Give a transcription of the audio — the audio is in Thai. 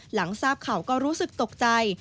หลังทราบข่าวก็รู้สึกตกใจ